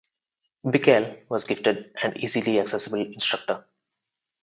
Bickel was a gifted and easily accessible instructor.